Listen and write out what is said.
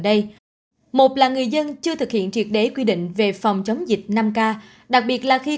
đây một là người dân chưa thực hiện triệt đế quy định về phòng chống dịch năm k đặc biệt là khi